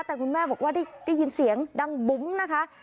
แต่คุณแม่บอกว่าได้ยินเสียงดังบุ๋มนะคะ